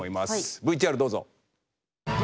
ＶＴＲどうぞ。